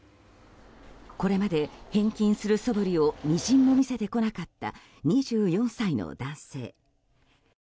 これまで返金するそぶりをみじんも見せてこなかった２４歳の男性。